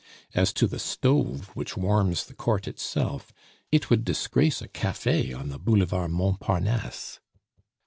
As to the stove which warms the court itself, it would disgrace a cafe on the Boulevard Mont Parnasse.